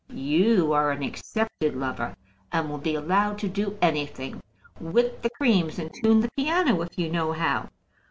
You are an accepted lover, and will be allowed to do anything, whip the creams, and tune the piano, if you know how.